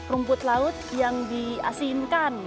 rumput laut yang di asinkan